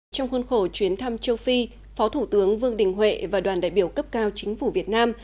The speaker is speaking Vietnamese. trong khuôn khổ chuyến thăm châu phi phó thủ tướng vương đình huệ và đoàn đại biểu cấp cao chính phủ việt nam